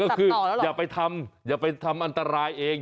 ก็คืออย่าไปทำอย่าไปทำอันตรายเอง